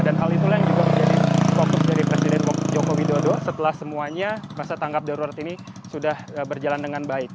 dan hal itulah yang juga menjadi fokus dari presiden joko widodo setelah semuanya masa tangkap darurat ini sudah berjalan dengan baik